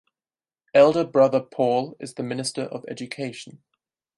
Elder brother Paul is the Minister of Education.